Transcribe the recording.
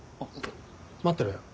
待ってろよ。